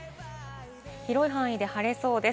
広い範囲で晴れそうです。